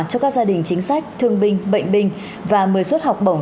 cho các gia đình chính sách thương binh bệnh binh và một mươi suất học bổng